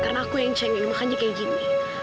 karena aku yang cengil makanya kayak gini